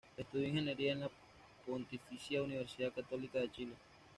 Estudió ingeniería en la Pontificia Universidad Católica de Chile.